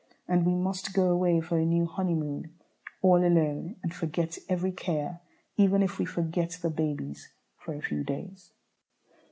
And we must go away for a new honeymoon, all alone, and forget every care, even if we forget the babies for a few days."